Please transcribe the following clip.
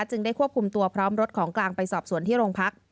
จึงได้ควบคุมตัวพร้อมรถของกลางไปสอบสวนที่โรงพัก